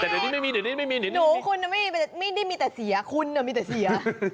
เดี๋ยวนี้ไม่มีหนูคุณไม่ได้มีแต่เสียคุณมีแต่เสีย